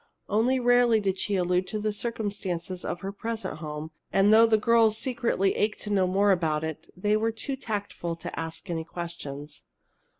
Only rarely did she allude to the circumstances of her present home, and though the girls secretly ached to know more about it, they were too tactful to ask any questions.